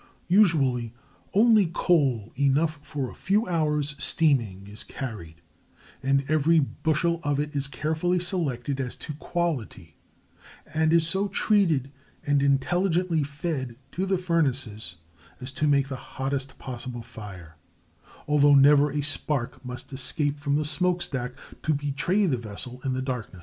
Usually only coal enough for a few hours' steaming is carried, and every bushel of it is carefully selected as to quality, and is so treated and intelligently fed to the furnaces as to make the hottest possible fire, although never a spark must escape from the smoke stack to betray the vessel in the darkness.